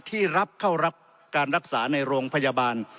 ที่รับเข้ารับการรักษาในโรงพยาบาล